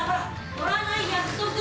乗らない約束。